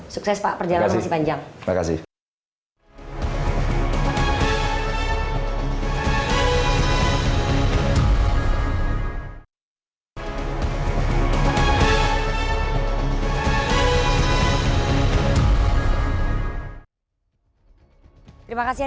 sukses pak perjalanan masih panjang